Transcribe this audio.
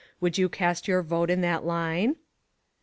Would you cast your vote in that line